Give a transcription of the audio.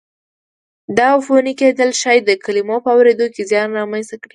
دا عفوني کېدل ښایي د کلمو په اورېدو کې زیان را منځته کړي.